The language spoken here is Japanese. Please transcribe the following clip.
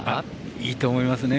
いいと思いますね。